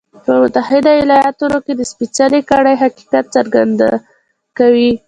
په متحده ایالتونو کې د سپېڅلې کړۍ حقیقت څرګندونه کوي.